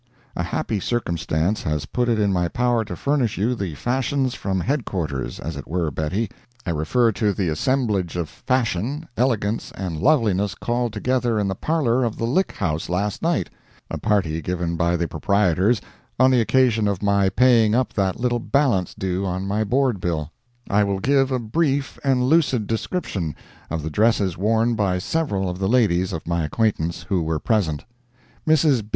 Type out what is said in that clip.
A happy circumstance has put it in my power to furnish you the fashions from headquarters—as it were, Bettie: I refer to the assemblage of fashion, elegance and loveliness called together in the parlor of the Lick House last night—[a party given by the proprietors on the occasion of my paying up that little balance due on my board bill.] I will give a brief and lucid description of the dresses worn by several of the ladies of my acquaintance who were present. Mrs.